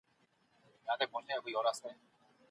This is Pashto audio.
تاسي په ځغاستا سواست .